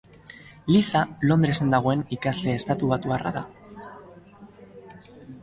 Lisa Londresen dagoen ikasle estatubatuarra da.